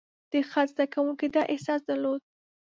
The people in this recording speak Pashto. د خط زده کوونکي دا احساس درلود.